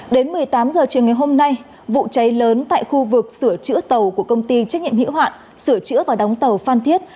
đến một mươi tám h chiều ngày hôm nay vụ cháy lớn tại khu vực sửa chữa tàu của công ty trách nhiệm hữu hoạn sửa chữa và đóng tàu phan thiết